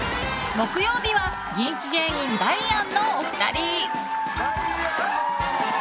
木曜日は人気芸人ダイアンのお二人。